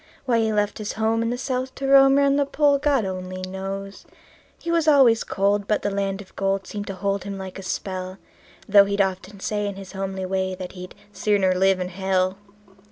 Why he left his home in the South to roam 'round the Pole, God only knows. He was always cold, but the land of gold seemed to hold him like a spell; Though he'd often say in his homely way that he'd "sooner live in hell".